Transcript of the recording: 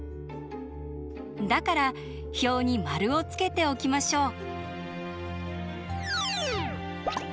だから表にマルをつけておきましょう。